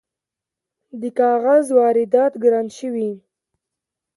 د کاغذ واردات ګران شوي؟